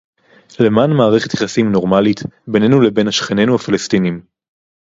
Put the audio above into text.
למען מערכת יחסים נורמלית בינינו לבין שכנינו הפלסטינים